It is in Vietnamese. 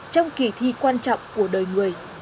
trong kỳ thi quan trọng của đời người